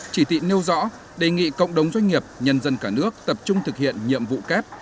chỉ thị nêu rõ đề nghị cộng đồng doanh nghiệp nhân dân cả nước tập trung thực hiện nhiệm vụ kép